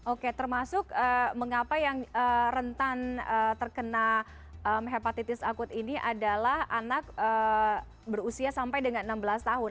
oke termasuk mengapa yang rentan terkena hepatitis akut ini adalah anak berusia sampai dengan enam belas tahun